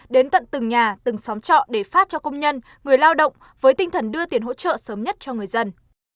đến tận từng nhà từng xóm trọ để phát cho công nhân người lao động với tinh thần đưa tiền hỗ trợ sớm nhất cho người dân